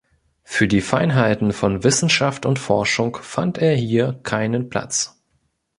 Für die Feinheiten von Wissenschaft und Forschung fand er hier keinen Platz.